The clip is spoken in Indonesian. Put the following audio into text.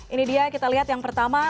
ini dia kita lihat yang pertama